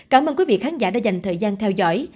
cảm ơn quý vị khán giả đã dành thời gian theo dõi